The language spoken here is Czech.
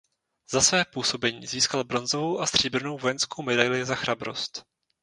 Za své působení získal bronzovou a stříbrnou vojenskou medaili za chrabrost.